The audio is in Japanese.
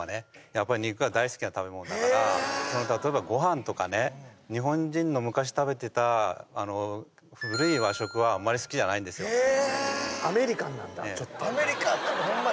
やっぱり肉は大好きな食べ物だから例えばご飯とかね日本人の昔食べてたあの古い和食はあんまり好きじゃないんですよへえアメリカンなんだホンマ